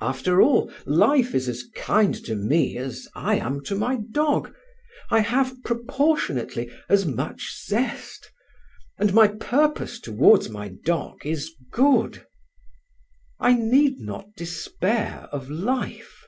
After all, Life is as kind to me as I am to my dog. I have, proportionally, as much zest. And my purpose towards my dog is good. I need not despair of Life."